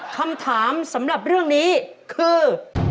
คำถามสำหรับเรื่องนี้คือ